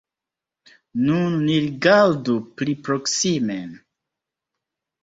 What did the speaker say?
Nun ni rigardu pli proksimen.